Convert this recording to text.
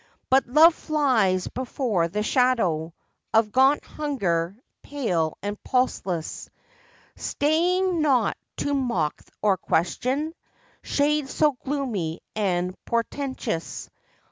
But Love flies before the shadow Of gaunt hunger, pale and pulseless; Staying not to mock or question Shade so gloomy and portentous!